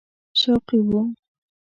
شوقي وو.